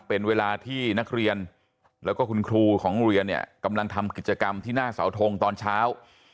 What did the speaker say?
เป็นเวลาที่นักเรียนแล้วก็คุณครูของโรงเรียนเนี่ยกำลังทำกิจกรรมที่หน้าเสาทงตอนเช้า